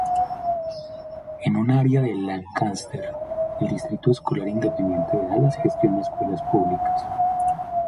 En un área de Lancaster, el Distrito Escolar Independiente de Dallas gestiona escuelas públicas.